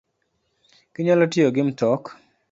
Ginyalo tiyo gi mtok